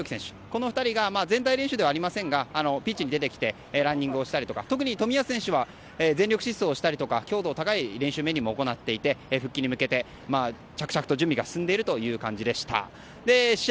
この２人が全体練習ではありませんがピッチに出てきてランニングをしたりとか特に冨安選手は全力疾走など強度の高いメニューも行い復帰に向けて着々と準備が進んでいるという感じでした。